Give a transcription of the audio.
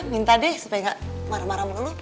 minta deh supaya gak marah marah mengeluh